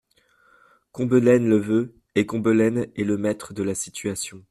Combelaine le veut, et Combelaine est le maître de la situation.